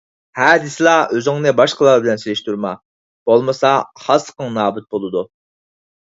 ھە دېسىلا ئۆزۈڭنى باشقىلار بىلەن سېلىشتۇرما، بولمىسا خاسلىقىڭ نابۇت بولىدۇ.